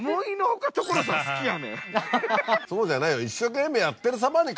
そうじゃないよ。